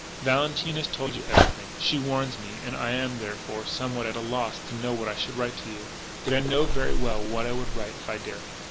"Valentine has told you everything, she warns me, and I am, therefore, somewhat at a loss to know what I should write to you. "Yet, I know very well what I would write if I dare.